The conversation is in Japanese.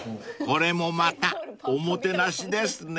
［これもまたおもてなしですね］